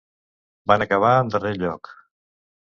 Van acabar en darrer lloc.